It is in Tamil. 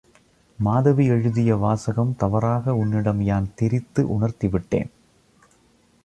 மாதவி எழுதிய வாசகம் தவறாக உன்னிடம் யான் திரித்து உணர்த்திவிட்டேன்.